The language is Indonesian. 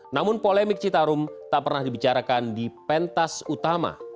namun polemik citarum tak pernah dibicarakan di pentas utama